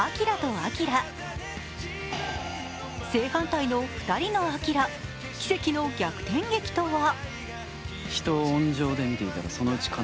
正反対の２人のあきら、奇跡の逆転劇とは？